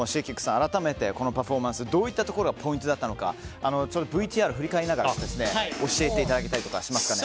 改めて、このパフォーマンスどういったところがポイントだったのかＶＴＲを振り返りながら教えていただけたりしますかね。